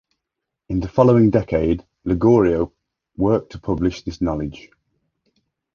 In the following decade, Ligorio worked to publish this knowledge.